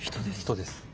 人です。